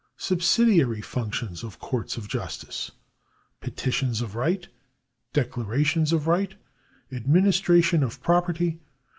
Subsidiary functions of courts of justice :— 1 . Petitions of right. 2. Declarations of right. 3. Administration of property.